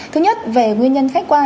thứ nhất về nguyên nhân khách quan